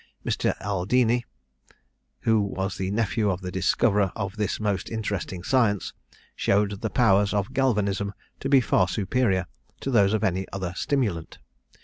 M. Aldini, who was the nephew of the discoverer of this most interesting science, showed the powers of Galvanism to be far superior to those of any other stimulant.